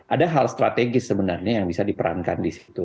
ada hal strategis sebenarnya yang bisa diperankan di situ